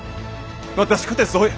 私かてそうや！